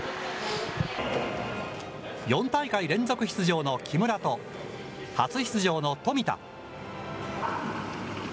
４大会連続出場の木村と、初出場の富田。